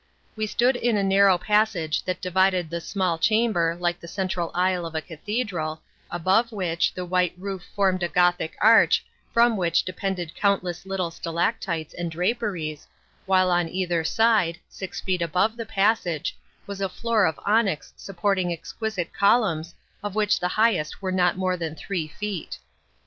We stood in a narrow passage that divided the small chamber like the central aisle of a cathedral, above which the white roof formed a Gothic arch from which depended countless little stalactites and draperies, while on either side, six feet above the passage, was a floor of onyx supporting exquisite columns of which the highest are not more than three feet.